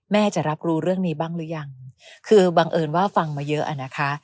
จะรับรู้เรื่องนี้บ้างหรือยังคือบังเอิญว่าฟังมาเยอะอะนะคะ